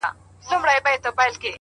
پوهېږم چي زموږه محبت له مينې ژاړي